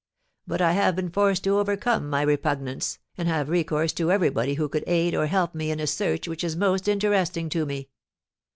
But I have been forced to overcome my repugnance, and have recourse to everybody who could aid or help me in a search which is most interesting to me."